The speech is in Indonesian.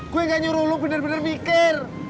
gue gak nyuruh lo bener bener mikir